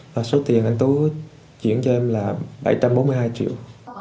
và số tiền anh tú chuyển cho em là bảy trăm bốn mươi hai triệu